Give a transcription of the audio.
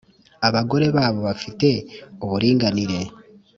Abagore babo bafite uburinganire.